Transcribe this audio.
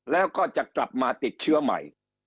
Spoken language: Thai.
แล้วก็จะกลับมาติดเชื้อใหม่